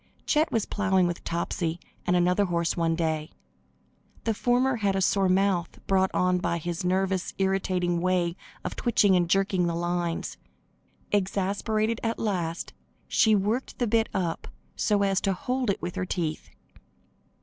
Chet was plowing with Topsy and another horse one day. The former had a sore mouth, brought on by his nervous irritating way of twitching and jerking the lines. Exasperated at last, she worked the bit up so as to hold it with her teeth.